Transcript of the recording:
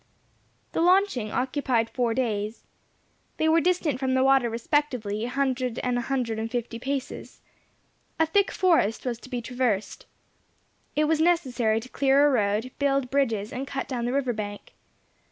The launching occupied four days. They were distant from the water respectively an hundred and an hundred and fifty paces. A thick forest was to be traversed. It was necessary to clear a road, build bridges, and cut down the river bank.